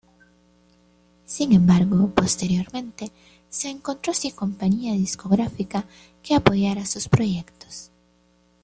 Sin embargo, posteriormente, se encontró sin compañía discográfica que apoyara sus proyectos.